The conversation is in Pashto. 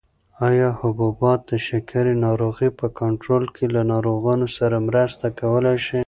ایا حبوبات د شکرې ناروغۍ په کنټرول کې له ناروغانو سره مرسته کولای شي؟